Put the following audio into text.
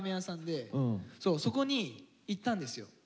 そこに行ったんですよ。